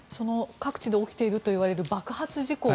各地で起きているといわれている爆発事故。